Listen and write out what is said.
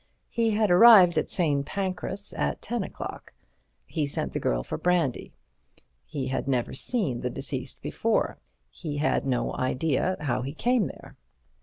He had arrived at St. Pancras at ten o'clock. He sent the girl for brandy. He had never seen the deceased before. He had no idea how he came there.